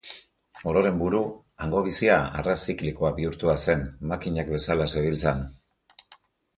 Ororen buru, hango bizia arras ziklikoa bihurtua zen, makinak bezala zebiltzan.